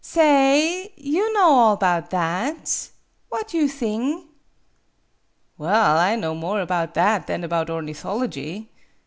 Sa ay ; you know all 'bout that. What you thing ?" "Well, I know more about that than about ornithology.